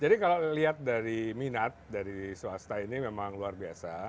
jadi kalau lihat dari minat dari swasta ini memang luar biasa